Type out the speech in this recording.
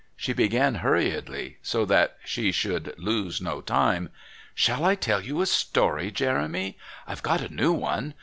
She began hurriedly, so that she should lose no time: "Shall I tell you a story, Jeremy? I've got a new one.